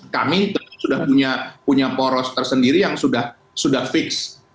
kami sudah punya poros tersendiri yang sudah fix